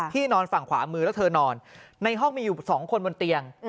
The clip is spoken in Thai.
นอนฝั่งขวามือแล้วเธอนอนในห้องมีอยู่๒คนบนเตียง